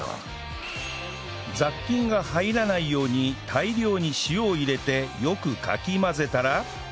雑菌が入らないように大量に塩を入れてよくかき混ぜたら